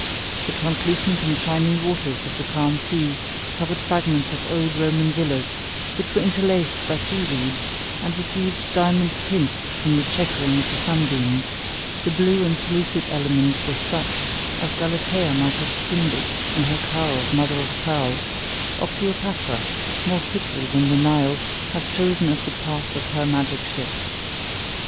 The translucent and shining waters of the calm sea covered fragments of old Roman villas, which were interlaced by sea weed, and received diamond tints from the chequering of the sun beams; the blue and pellucid element was such as Galatea might have skimmed in her car of mother of pearl; or Cleopatra, more fitly than the Nile, have chosen as the path of her magic ship.